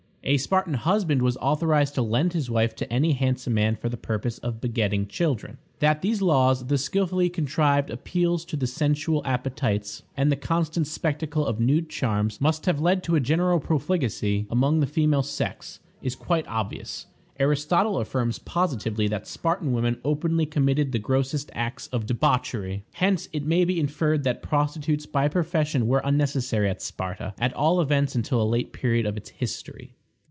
A Spartan husband was authorized to lend his wife to any handsome man for the purpose of begetting children. That these laws, the skillfully contrived appeals to the sensual appetites, and the constant spectacle of nude charms, must have led to a general profligacy among the female sex, is quite obvious. Aristotle affirms positively that the Spartan women openly committed the grossest acts of debauchery. Hence it may be inferred that prostitutes by profession were unnecessary at Sparta, at all events until a late period of its history.